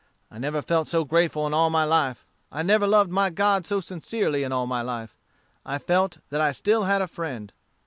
I never felt so grateful in all my life. I never loved my God so sincerely in all my life. I felt that I still had a friend.